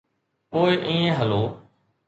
پوءِ ائين هلو.